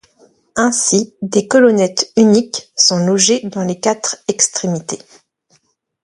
Ainsi, des colonnettes uniques sont logées dans les quatre extrémités.